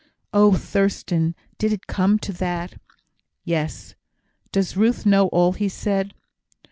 "Oh, Thurstan! did it come to that?" "Yes." "Does Ruth know all he said?"